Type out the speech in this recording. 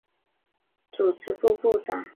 担任中共湖南省委组织部部长。